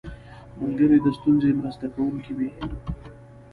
ملګری د ستونزو مرسته کوونکی وي